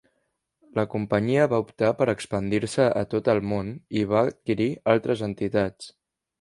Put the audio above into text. La companyia va optar per expandir-se a tot el món i va adquirir altres entitats.